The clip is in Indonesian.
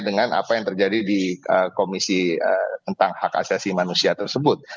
dengan apa yang terjadi di komisi tentang hak asasi manusia tersebut